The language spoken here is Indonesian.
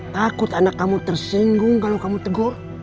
takut anak kamu tersinggung kalau kamu tegur